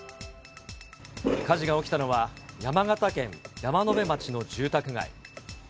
火事が起きたのは、山形県山辺町の住宅街。